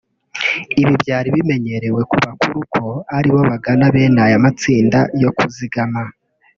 Ibi byari bimenyerewe ku bakuru ko ari bo bagana bene aya matsinda yo kuzigama